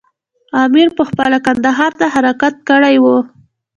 امیر پخپله کندهار ته حرکت کړی وو.